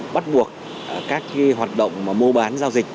bắt buộc các cái hoạt động mà mô bán giao dịch